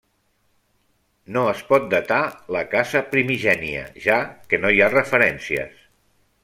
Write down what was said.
No es pot datar la casa primigènia, ja que no hi ha referències.